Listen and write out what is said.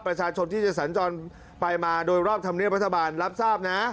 ประชาชนที่จะสัญจรไปมาโดยรอบธรรมเนียบรัฐบาลรับทราบนะ